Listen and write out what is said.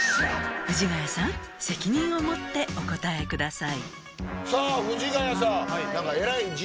藤ヶ谷さん責任を持ってお答えください。